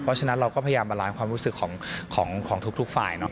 เพราะฉะนั้นเราก็พยายามบาลานซ์ความรู้สึกของทุกฝ่าย